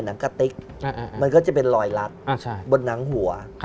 หนังกะติ๊กมันก็จะเป็นรอยรัดบนหนังหัว